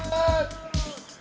satu dua tiga